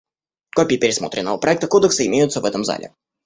Копии пересмотренного проекта кодекса имеются в этом зале.